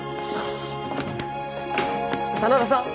真田さん！？